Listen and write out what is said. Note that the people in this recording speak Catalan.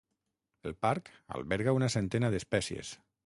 El Parc alberga una centena d'espècies.